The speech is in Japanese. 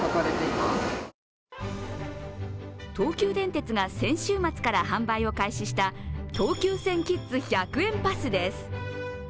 東急電鉄が先週末から販売を開始した東急線キッズ１００円パスです。